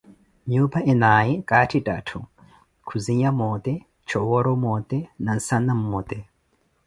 Nyuupa enaaye katthi tatthu, khuzinya moote, coworo moote na nsana mmote.